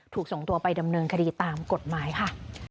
ถูกส่งตัวไปดำเนินคดีตามกฎหมายค่ะ